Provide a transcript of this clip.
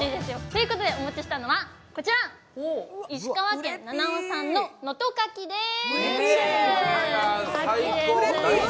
お持ちしたのはこちら、石川県七尾産の能登かきです。